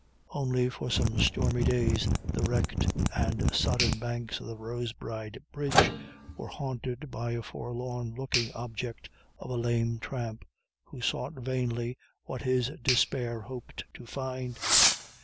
Only for some stormy days the wrecked and sodden banks of the Rosbride river were haunted by a forlorn looking object of a lame tramp, who sought vainly what his despair hoped to find.